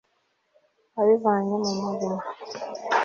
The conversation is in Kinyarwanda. abivanye mu murima